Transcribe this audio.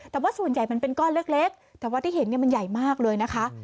แต่ว่าส่วนใหญ่มันเป็นก้อนเล็กแต่ว่าที่เห็นเนี่ยมันใหญ่มากเลยนะคะ